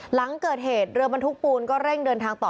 หลังเกิดเหตุเรือบรรทุกปูนก็เร่งเดินทางต่อ